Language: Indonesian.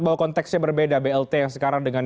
bahwa konteksnya berbeda blt yang sekarang dengan